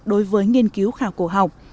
đối với nghiên cứu khảo cổ học